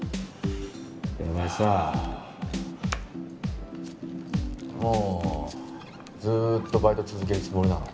お前さもうずっとバイト続けるつもりなの？